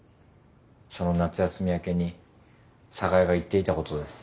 その夏休み明けに寒河江が言っていたことです。